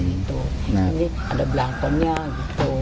ini ada belangkonnya gitu